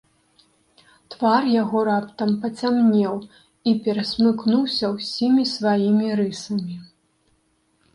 Твар яго раптам пацямнеў і перасмыкнуўся ўсімі сваімі рысамі.